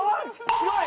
すごい。